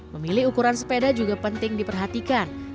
memilih ukuran sepeda juga penting diperhatikan